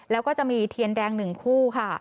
แล้วก็จะมีเทียนแดง๑คู่ค่ะ